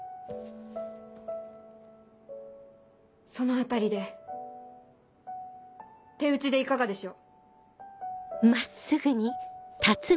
そのあたりで手打ちでいかがでしょう。